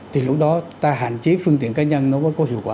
thì lúc đó ta hạn chế phương tiện cá nhân nó mới có hiệu quả